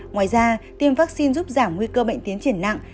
ngoài ra tiêm vaccine giúp giảm nguy cơ bệnh tiến triển nặng